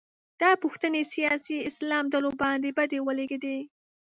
دا پوښتنې سیاسي اسلام ډلو باندې بدې ولګېدې